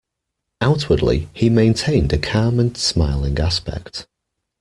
Outwardly, he maintained a calm and smiling aspect.